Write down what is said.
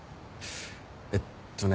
えっとね。